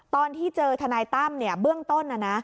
ตอนที่เจอทนายตั้มเนี่ยเบื้องต้นน่ะนะ